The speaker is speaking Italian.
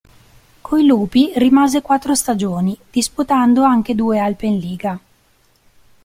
Coi Lupi rimase quattro stagioni, disputando anche due Alpenliga.